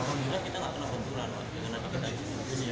alhamdulillah kita gak kena benturan